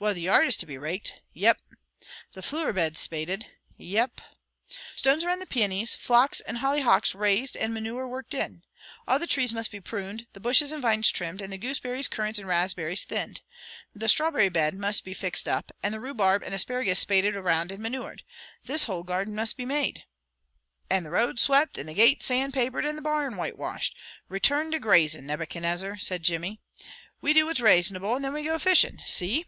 "Well, the yard is to be raked." "Yep." "The flooer beds spaded." "Yep." "Stones around the peonies, phlox, and hollyhocks raised and manure worked in. All the trees must be pruned, the bushes and vines trimmed, and the gooseberries, currants, and raspberries thinned. The strawberry bed must be fixed up, and the rhubarb and asparagus spaded around and manured. This whole garden must be made " "And the road swept, and the gate sandpapered, and the barn whitewashed! Return to grazing, Nebuchadnezzar," said Jimmy. "We do what's raisonable, and then we go fishin'. See?"